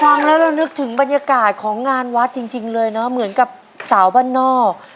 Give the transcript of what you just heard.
ฟังแล้วเรานึกถึงบรรยากาศของงานวัดจริงเลยเนอะเหมือนกับสาวบ้านนอก